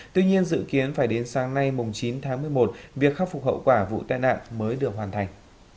tuy nhiên dự kiến phải đến sáng nay chín tháng một mươi một việc khắc phục hậu quả vụ tai nạn mới được hoàn thành